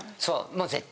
そう。